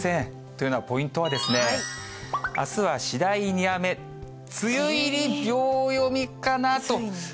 というのはポイントは、あすは次第に雨、梅雨入り秒読みかなと。